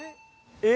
えっ。